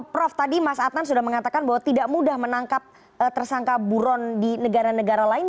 prof tadi mas adnan sudah mengatakan bahwa tidak mudah menangkap tersangka buron di negara negara lain